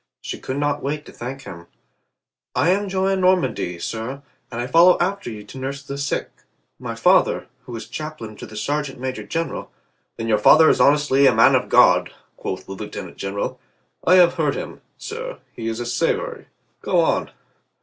She could not wait to thank him. "I am Jean Normandy, sir, and I follow after you to nurse the sick. My father, who is chaplain to the sergeant major general —" "Then your father is honestly a man of God," quoth the lieutenant general. "I have heard him, sir. He is savory. Go on."